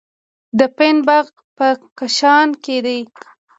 د فین باغ په کاشان کې دی.